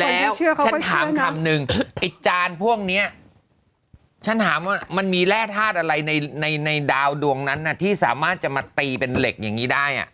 แล้วฉันถามคำนึงไอ้จานพวกนี้ฉันถามว่ามันมีแร่ธาตุอะไรในดาวดวงนั้นที่สามารถจะมาตีเป็นเหล็กอย่างนี้ได้อ่ะ